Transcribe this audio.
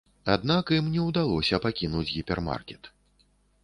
Аднак ім не ўдалося пакінуць гіпермаркет.